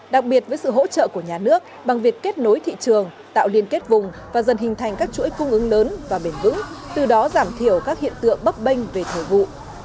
đặc biệt với sự hỗ trợ của nhà nước bằng việc kết nối thị trường tạo liên kết vùng và dần hình thành các chuỗi cung ứng lớn và bền vững từ đó giảm thiểu các hiện tượng bấp bênh về thời vụ